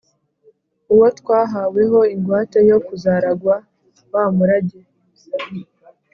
Uwo twahaweho ingwate yo kuzaragwa wa murage,